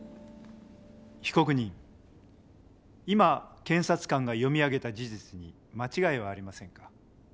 被告人今検察官が読み上げた事実に間違いはありませんか？